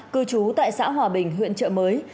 cư trú tại xã hòa bình huyện trợ mới